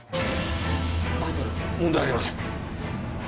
「バイタル問題ありません」